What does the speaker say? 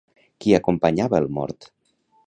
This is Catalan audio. Qui acompanyava el mort?